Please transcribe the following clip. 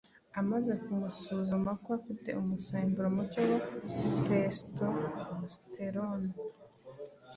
amaze kumusuzuma ko afite umusemburo muke wa testosterone